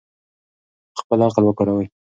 خپل عقل وکاروئ.